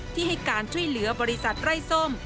ที่ให้การช่วยเหลือบริษัทไร้ส้ม